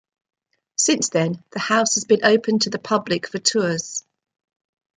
Since then, the house has been open to the public for tours.